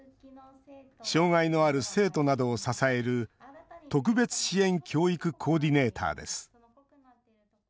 障害のある生徒などを支える特別支援教育コーディネーターです。